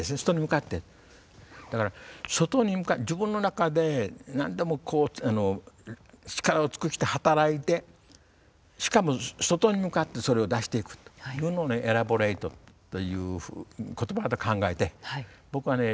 だから外に自分の中で何度も力を尽くして働いてしかも外に向かってそれを出していくというのをねエラボレイトという言葉だと考えて僕はね